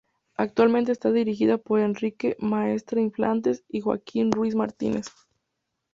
Actualmente está dirigida por Enrique Maestre Infantes y Joaquín Ruiz Martínez.